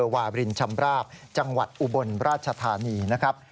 วาบรินชำราบจังหวัดอุบลราชธานีนะครับ